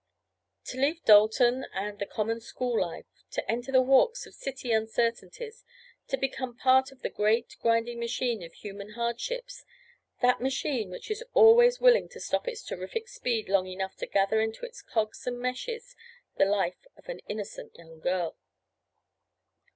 To leave Dalton and the common school life—to enter the walks of city uncertainties—to become part of the great, grinding machine of human hardships—that machine which is always willing to stop its terrific speed long enough to gather into its cogs and meshes the life of an innocent young girl.